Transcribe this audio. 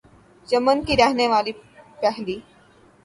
یمن کی رہنے والی پہلی